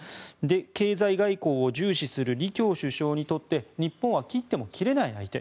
経済外交を重視する李強首相にとって日本は切っても切れない相手。